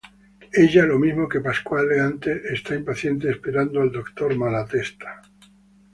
Ella, lo mismo que Pasquale antes, está impaciente esperando al doctor Malatesta.